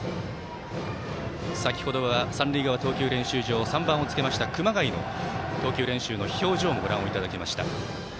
先ほどは三塁側投球練習場３番をつけました熊谷の投球練習の表情もご覧いただきました。